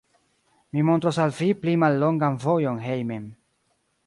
Mi montros al vi pli mallongan vojon hejmen.